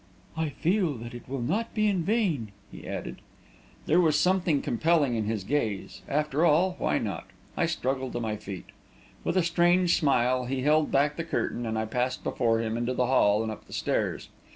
"I feel that it will not be in vain!" he added. There was something compelling in his gaze. After all, why not? I struggled to my feet. With a strange smile, he held back the curtain, and I passed before him into the hall and up the stairs.